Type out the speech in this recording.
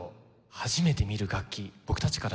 初めて見る楽器僕たちからしたら。